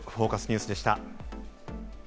ニュースでした。